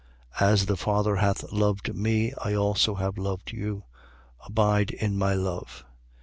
15:9. As the Father hath loved me, I also have loved you. Abide in my love.